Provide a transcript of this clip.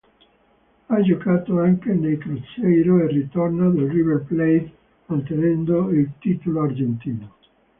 Ha giocato anche nel Cruzeiro e ritorna nel River Plate, ottenendo il titolo argentino.